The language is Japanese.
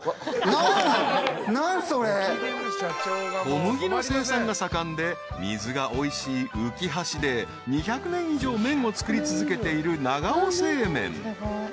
［小麦の生産が盛んで水がおいしいうきは市で２００年以上麺を作り続けている］